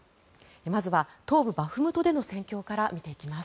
まずは、東部バフムトでの戦況から見ていきます。